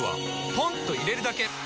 ポンと入れるだけ！